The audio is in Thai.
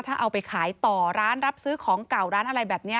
ถ้าเอาไปขายต่อร้านรับซื้อของเก่าร้านอะไรแบบนี้